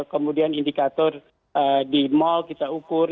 kemudian indikator di mal kita ukur